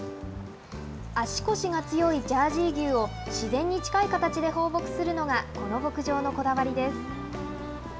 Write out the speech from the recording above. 足腰が強いジャージー牛を、自然に近い形で放牧するのが、この牧場のこだわりです。